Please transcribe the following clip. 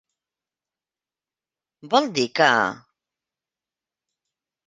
¿Vol dir que...?